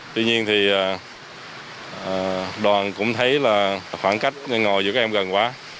tuy nhiên thì đoàn cũng thấy là khoảng cách ngồi giữa các em gần quá